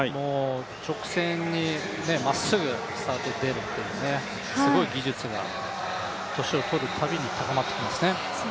直線にまっすぐ出るという、すごい技術が年を取るたびに高まってきますね。